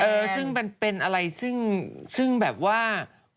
เออซึ่งมันเป็นอะไรซึ่งแบบว่า